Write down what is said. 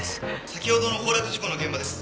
先ほどの崩落事故の現場です。